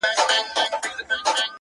قاضي صاحبه ملامت نه یم، بچي وږي وه.